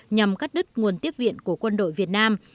nhằm cắt đứt nguồn tiếp viện của quân đội việt nam